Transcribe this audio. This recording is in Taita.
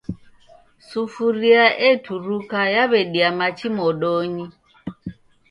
Sufuria eturuka yawedia machi modonyi